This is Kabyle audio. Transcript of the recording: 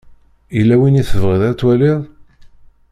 Yella win i tebɣiḍ ad twaliḍ?